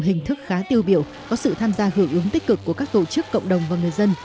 hình thức khá tiêu biểu có sự tham gia hưởng ứng tích cực của các tổ chức cộng đồng và người dân